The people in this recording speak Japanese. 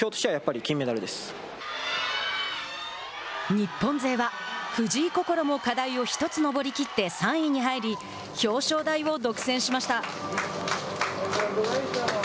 日本勢は藤井快も課題を１つ登り切って３位に入り表彰台を独占しました。